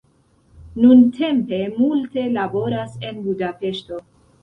Nuntempe multe laboras en Budapeŝto.